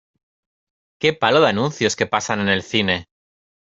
¡Qué palo de anuncios que pasan en el cine!